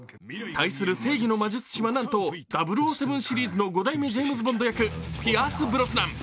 対する正義の魔術師はなんと「００７」シリーズの５代目ジェームズ・ボンド役、ピアース・ブロスナン。